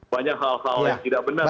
banyak hal hal yang tidak benar